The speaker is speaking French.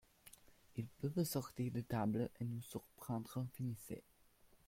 Ils peuvent sortir de table et nous surprendre, finissez !